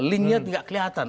linknya tidak kelihatan